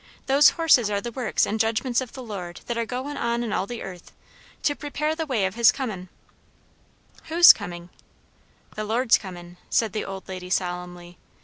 Those horses are the works and judgments of the Lord that are goin' on in all the earth, to prepare the way of his comin'." "Whose coming?" "The Lord's comin'," said the old lady solemnly.